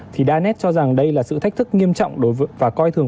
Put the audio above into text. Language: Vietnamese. thì đa nét cho rằng đây là sự thách thức nghiêm trọng đối với và coi thường